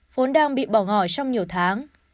vốn đang bị bỏ ngỏ trong nhiều thời gian